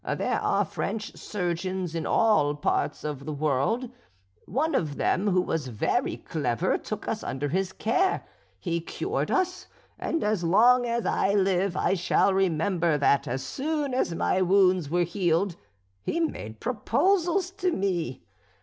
There are French surgeons in all parts of the world; one of them who was very clever took us under his care he cured us; and as long as I live I shall remember that as soon as my wounds were healed he made proposals to me.